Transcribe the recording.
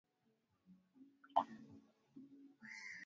Waliamini kuwa makazi ya Mungu yalikuwa pangoni